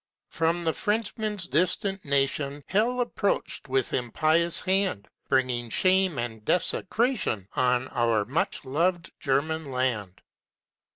From the Frenchman's distant nation Hell approach'd, with impious hand, Bringing shame and desecration On our much loved German land.